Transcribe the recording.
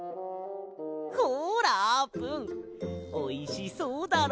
ほらあーぷんおいしそうだろ？